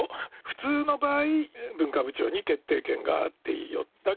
普通の場合、文化部長に決定権があっていいよと。